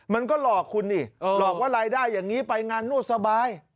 มันก็หลอกคุณนี่หลอกว่ารายได้อย่างนี้ไปงานนวดสบาย